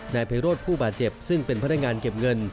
นายไพโรธผู้บาดเจ็บซึ่งเป็นพนักงานเก็บเงิน